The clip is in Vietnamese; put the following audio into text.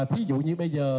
thí dụ như bây giờ